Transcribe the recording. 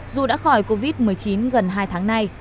dù đã khỏi covid một mươi chín gần hai tháng nay